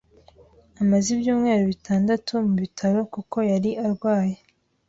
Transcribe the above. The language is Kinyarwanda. Amaze ibyumweru bitandatu mu bitaro kuko yari arwaye.